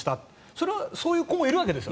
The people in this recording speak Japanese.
それはそういう子もいるわけです。